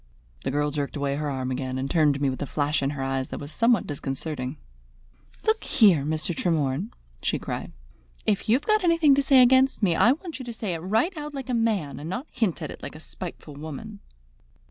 The girl jerked away her arm again, and turned to me with a flash in her eyes that was somewhat disconcerting. "Look here, Mr. Tremorne," she cried, "if you've got anything to say against me, I want you to say it right out like a man, and not to hint at it like a spiteful woman."